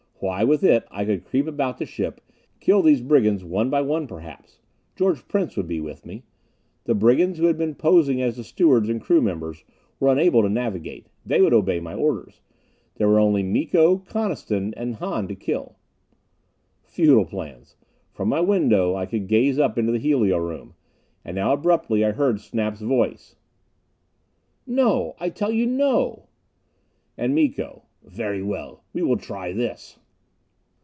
Why, with it I could creep about the ship, kill these brigands one by one perhaps. George Prince would be with me. The brigands who had been posing as the stewards and crew members were unable to navigate; they would obey my orders. There were only Miko, Coniston and Hahn to kill. Futile plans! From my window I could gaze up to the helio room. And now abruptly I heard Snap's voice: "No! I tell you no!" And Miko: "Very well. We will try this."